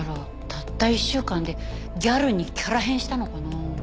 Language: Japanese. たった１週間でギャルにキャラ変したのかな。